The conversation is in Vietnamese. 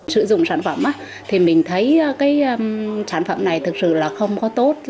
sử dụng sản phẩm thì mình thấy cái sản phẩm này thực sự là không có tốt